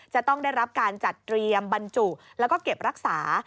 จะต้องได้รับการจัดเตรียมบรรจุแล้วก็เก็บรักษา